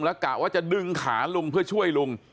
แล้วกะว่าจะดึงขาลุงเพื่อช่วยลุง